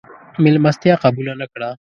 مېلمستیا قبوله نه کړه.